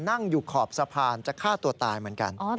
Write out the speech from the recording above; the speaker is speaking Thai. นั่งอยู่ขอบสะพานจะฆ่าตัวตายเหมือนกัน